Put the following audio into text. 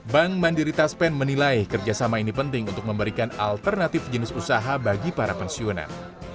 bank mandiri taspen menilai kerjasama ini penting untuk memberikan alternatif jenis usaha bagi para pensiunan